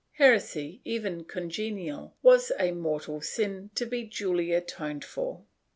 * Heresy, even congenital, was a mortal sin, to be duly atoned for.